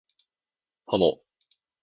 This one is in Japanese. パモ